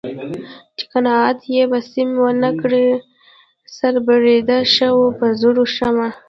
چې قناعت یې په سیم و نه کړ سر بریده شوه په زرو شمع